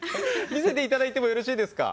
見せていただいてもいいですか？